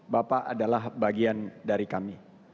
bapak adalah bagian dari kami